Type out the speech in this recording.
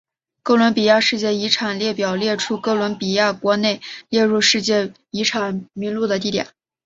哥伦比亚世界遗产列表列出哥伦比亚国内列入世界遗产名录的地点。